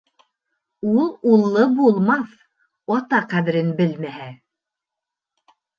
Ул уллы булмаҫ, ата ҡәҙерен белмәһә.